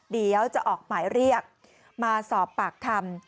เดี๋ยวจะออกหมายเรียกมาสอบปากคำ